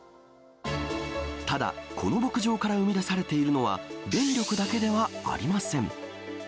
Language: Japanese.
ただ、この牧場から生み出されているのは電力だけではありません。